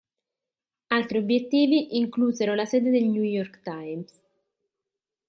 Altri obiettivi inclusero la sede del "New York Times".